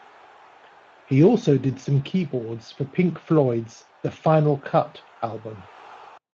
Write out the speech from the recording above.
He also did some keyboards for Pink Floyd's "The Final Cut" album.